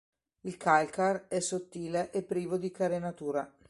Il calcar è sottile e privo di carenatura.